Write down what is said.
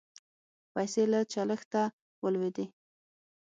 پیسې له چلښته ولوېدې.